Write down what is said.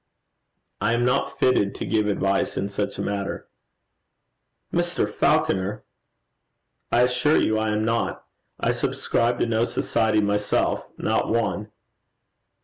'I am not fitted to give advice in such a matter.' 'Mr. Falconer!' 'I assure you I am not. I subscribe to no society myself not one.'